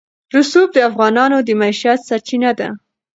رسوب د افغانانو د معیشت سرچینه ده.